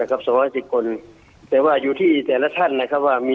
นะครับสี่สามสิบคนแต่ว่าอยู่ที่แต่ละท่านนะครับว่ามี